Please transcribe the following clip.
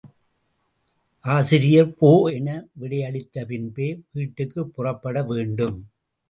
ஆசிரியர் போ என விடையளித்த பின்பே வீட்டுக்குப் புறப்பட வேண்டும்.